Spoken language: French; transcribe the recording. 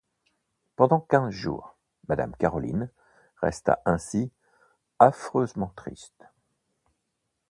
Pendant quinze jours, Madame Caroline resta ainsi affreusement triste.